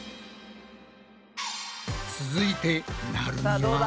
続いてなるみは？